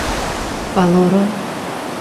valoro